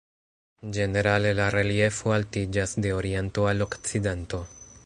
Ĝenerale la reliefo altiĝas de oriento al okcidento.